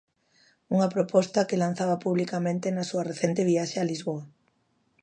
Unha proposta que lanzaba publicamente na súa recente viaxe a Lisboa.